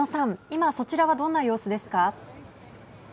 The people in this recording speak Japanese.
今、そちらはどんな様子ですか。